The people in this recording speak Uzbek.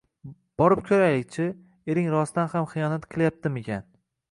Borib ko`raylik-chi, ering rostdan ham xiyonat qilyaptimikan